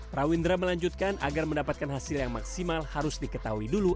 prawindra melanjutkan agar mendapatkan hasil yang maksimal harus diketahui dulu